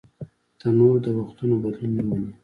تنور د وختونو بدلون نهمني